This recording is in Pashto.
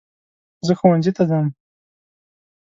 زه ښونځي ته ځم.